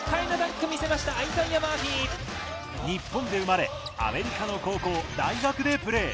日本で生まれアメリカの高校、大学でプレー。